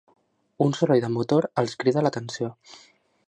Un soroll de motor els crida l'atenció.